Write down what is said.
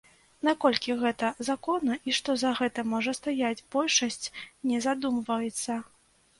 Наколькі гэта законна і што за гэтым можа стаяць, большасць не задумваецца.